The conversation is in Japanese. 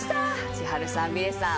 千春さんみれさん